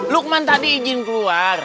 lukman tadi izin keluar